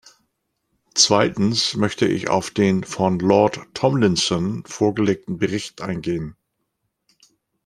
Zweitens möchte ich auf den von Lord Tomlinson vorgelegten Bericht eingehen.